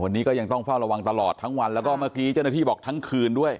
วันนี้ก็ยังต้องเฝ้าระวังตลอดทั้งวันแล้วก็เมื่อกี้เจ้าหน้าที่บอกทั้งคืนด้วย